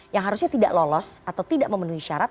yang harusnya tidak lolos atau tidak memenuhi syarat